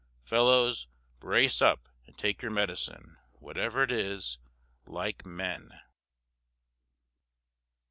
Fellows, brace up and take your medicine, whatever it is, like men!"